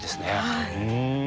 はい。